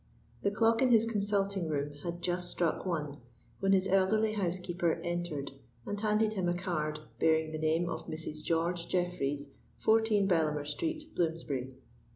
The clock in his consulting room had just struck one when his elderly housekeeper entered and handed him a card, bearing the name of Mrs. George Jeffreys, 14 Bellamer Street, Bloomsbury.